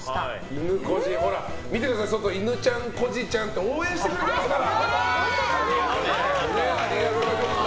いぬこじ、見てくださいいぬちゃん、こじちゃんって応援してくれてますから。